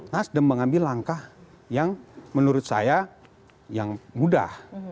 nasdem mengambil langkah yang menurut saya yang mudah